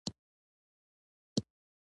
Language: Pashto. ماښام بیا هم لاس خالي یم او ګدايي کوم